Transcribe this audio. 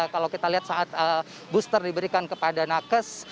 kalau kita lihat saat booster diberikan kepada nakes